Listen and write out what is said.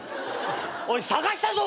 おい捜したぞ！